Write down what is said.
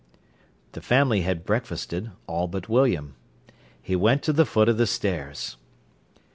The family had breakfasted, all but William. He went to the foot of the stairs.